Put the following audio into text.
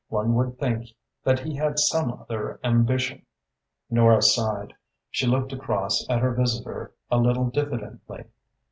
One would think that he had some other ambition." Nora sighed. She looked across at her visitor a little diffidently.